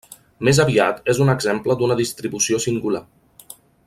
Més aviat és un exemple d'una distribució singular.